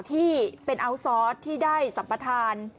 ที่เป็นอัลซอสที่ได้สัมปทาน